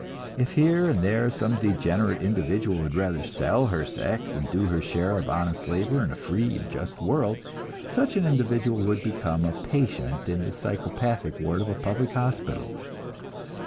If here and there some degenerate individual would rather sell her sex than do her share of honest labor in a free and just world, such an individual would become a patient in the psychopathic ward of a public hospital.